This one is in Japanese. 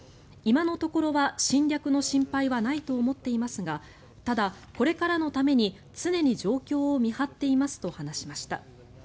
今のところは侵略の心配はないと思っていますがただ、これからのために常に状況を見張っていますと話しました。